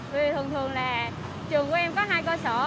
vì thường thường là trường của em có hai cơ sở